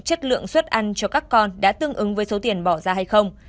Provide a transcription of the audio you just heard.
chất lượng suất ăn cho các con đã tương ứng với số tiền bỏ ra hay không